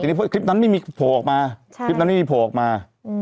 นี่คลิปต่อจากนี้เพราะคลิปนั้นไม่มีโผล่ออกมา